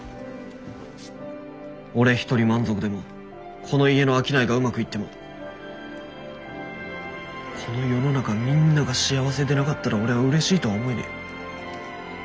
俺一人満足でもこの家の商いがうまくいってもこの世の中みんなが幸せでなかったら俺はうれしいとは思えねえ。